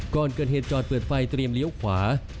ก่อนเกิดเหตุจอดเปิดไฟเตรียมเลี้ยวขวา